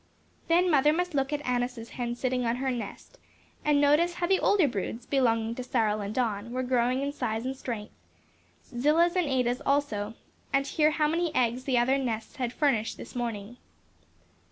Then mother must look at Annis's hen sitting on her nest, and notice how the older broods, belonging to Cyril and Don, were growing in size and strength; Zillah's and Ada's also; and hear how many eggs the other nests had furnished this morning.